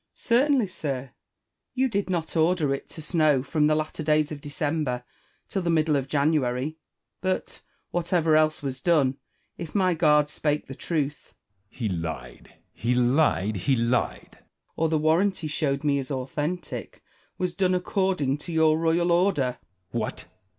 Wallace. Certainly, sir, you did not order it to snow 1 12 JMA GINAR V CONFERS A TIONS. from the latter days of December till the middle of January ; but whatever else was doue, if my guard spake the truth Edward. He lied, he lied, he lied Wallace. or the warrant he showed me is authentic, was done according to your royal order. Edward. What